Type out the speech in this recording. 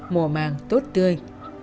mùa màng tốt tươi